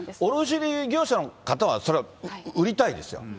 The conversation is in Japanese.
つまり、卸売業者の方は、それは売りたいですよ。